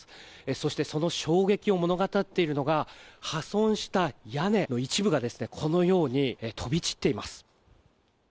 そしてその衝撃を物語っているのが破損した屋根の一部がこのように飛び散っています。